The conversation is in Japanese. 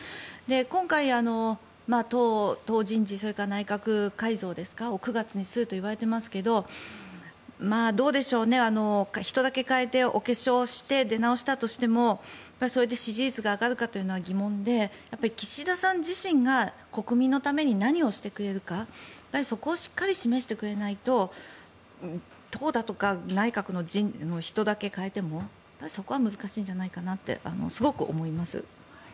今回、党人事それから内閣改造を９月にするといわれていますがどうでしょうね、人だけ代えてお化粧して出直したとしてもそれで支持率が上がるかというのは疑問で岸田さん自身が国民のために何をしてくれるかそこをしっかり示してくれないと党だとか内閣の人だけ代えてもそこは難しいんじゃないかってすごく思います。